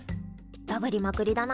ダブりまくりだな。